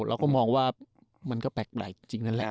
เราก็มองว่ามันก็แปลกหลายจริงนั่นแหละ